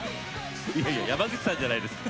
いやいや山口さんじゃないですか。